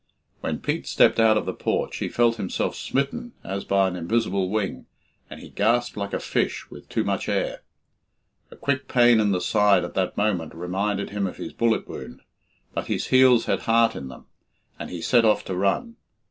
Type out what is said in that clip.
When Pete stepped out of the porch, he felt himself smitten as by an invisible wing, and he gasped like a fish with too much air. A quick pain in the side at that moment reminded him of his bullet wound, but his heels had heart in them, and he set off to run.